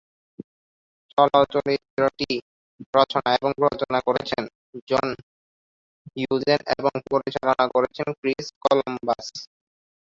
চলচ্চিত্রটি রচনা এবং প্রযোজনা করেছেন জন হিউজেস এবং পরিচালনা করেছেন ক্রিস কলম্বাস।